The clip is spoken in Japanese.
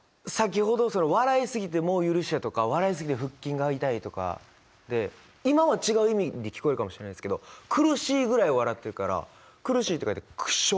先ほど笑い過ぎてもう許してとか笑い過ぎて腹筋が痛いとかで今は違う意味に聞こえるかもしれないですけど苦しいぐらい笑ってるから「苦しい」って書いて「苦笑」。